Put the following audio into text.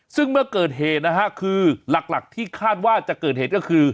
ซึ่งเมื่อเกิดเหตุนะฮะคือหลักที่คาดว่าจะเกิดเหตุก็คือ